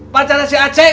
pacaran si aceh